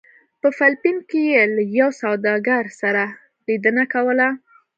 په فلپین کې یې له یو سوداګر سره لیدنه کوله.